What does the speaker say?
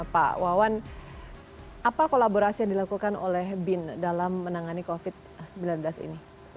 pak wawan apa kolaborasi yang dilakukan oleh bin dalam menangani covid sembilan belas ini